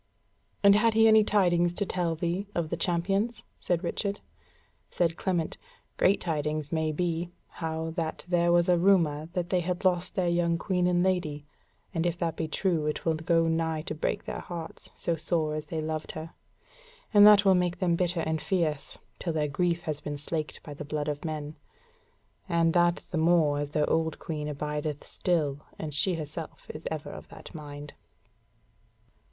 "And had he any tidings to tell thee of the champions?" said Richard. Said Clement, "Great tidings maybe, how that there was a rumour that they had lost their young Queen and Lady; and if that be true, it will go nigh to break their hearts, so sore as they loved her. And that will make them bitter and fierce, till their grief has been slaked by the blood of men. And that the more as their old Queen abideth still, and she herself is ever of that mind."